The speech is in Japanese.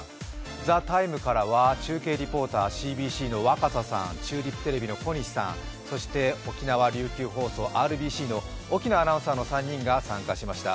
「ＴＨＥＴＩＭＥ，」からは中継リポーター、若狭さん、チューリップテレビの小西さん、そして沖縄琉球放送ＲＢＣの沖野綾亜アナウンサーが参加しました。